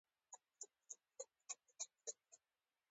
د انسان غوږ درې برخې لري: بهرنی، منځنی او داخلي.